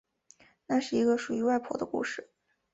那是一个属于外婆的故事